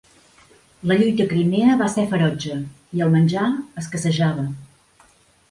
La lluita a Crimea va ser ferotge, i el menjar escassejava.